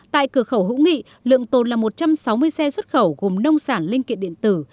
tại cửa khẩu hữu nghị lượng tồn là một trăm sáu mươi xe xuất khẩu gồm nông sản linh kiện điện tử